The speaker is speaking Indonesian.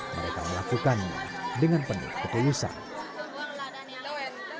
mereka melakukannya dengan penuh ketulusan